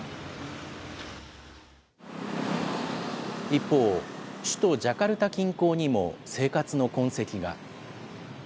一方、首都ジャカルタ近郊にも生活の痕跡が。